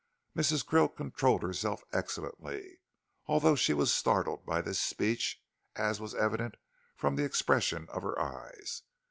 Mrs. Krill controlled herself excellently, although she was startled by this speech, as was evident from the expression of her eyes.